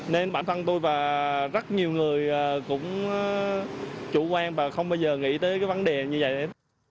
nên bản thân tôi và rất nhiều người cũng chủ quan và không bao giờ nghĩ tới cái vấn đề như vậy